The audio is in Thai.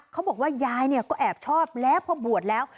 เขาบอกว่ายายเนี่ยก็แอบชอบแล้วพอบวชแล้ว